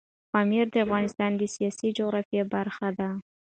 پامیر د افغانستان د سیاسي جغرافیه برخه ده.